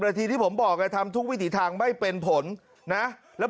ทีที่ผมบอกไงทำทุกวิถีทางไม่เป็นผลนะแล้ว